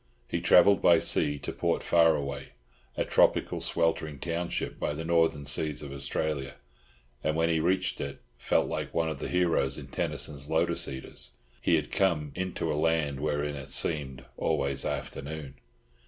He travelled by sea to Port Faraway, a tropical sweltering township by the Northern seas of Australia, and when he reached it felt like one of the heroes in Tennyson's Lotus Eaters—he had come "into a land wherein it seemed always afternoon."